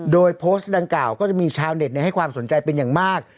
โดยโพสต์ดังกล่าวก็จะมีชาวเน็ตให้ความสนใจเป็นอย่างมาก